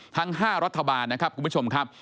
ทั้ง๕รัฐบาลนะครับคุณผู้ชมครับ